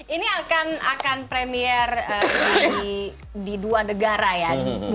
ini akan akan premiere di dua negara ya